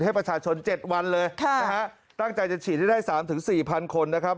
ให้ประชาชน๗วันเลยนะฮะตั้งใจจะฉีดให้ได้๓๔๐๐คนนะครับ